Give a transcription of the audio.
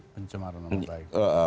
pencemaran nama baik